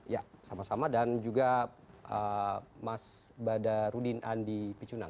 ya sama sama dan juga mas badarudin andi picunang